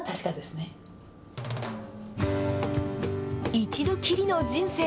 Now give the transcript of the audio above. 一度きりの人生。